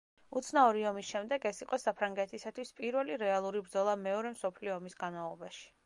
უცნაური ომის შემდეგ ეს იყო საფრანგეთისათვის პირველი რეალური ბრძოლა მეორე მსოფლიო ომის განმავლობაში.